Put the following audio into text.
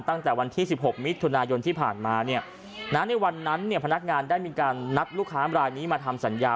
ตั้งแต่วันที่๑๖มิตรธุนายนที่ผ่านมาในวันนั้นพนักงานได้มีการนัดลูกค้ามาทำสัญญา